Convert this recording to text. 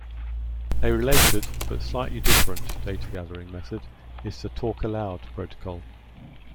A related but slightly different data-gathering method is the talk-aloud protocol.